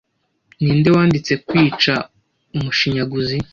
Ninde wanditse Kwica Umushinyaguzi